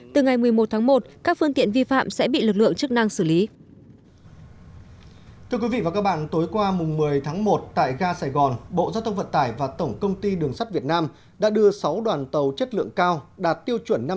từ ngày một mươi một tháng một các phương tiện vi phạm sẽ bị lực lượng chức năng xử lý